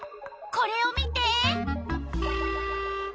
これを見て！